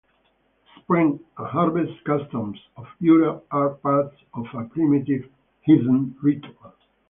The spring and harvest customs of Europe are parts of a primitive heathen ritual.